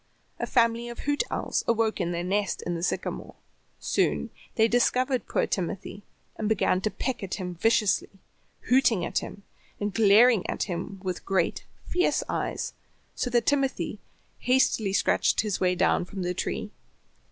A family of hoot owls awoke in their nest in the sycamore. Soon they discovered poor Timothy, and began to peck at him viciously, hooting at him, and glaring at him with great, fierce eyes, so that Timothy hastily scratched his way down from the tree.